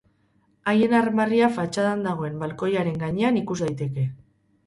Haien armarria fatxadan dagoen balkoiaren gainean ikus daiteke.